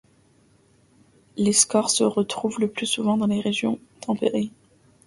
Les schorres se retrouvent le plus souvent dans les régions tempérées.